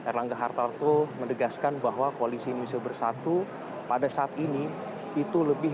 r langga hartarto mendegaskan bahwa koalisi indonesia bersatu pada saat ini itu lebih